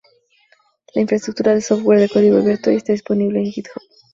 La infraestructura del software es de código abierto y está disponible en GitHub.